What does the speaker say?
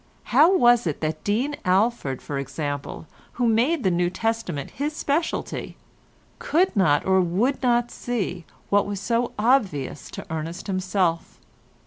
How was it that Dean Alford for example who had made the New Testament his speciality, could not or would not see what was so obvious to Ernest himself?